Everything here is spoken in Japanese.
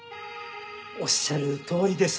おっしゃる通りです。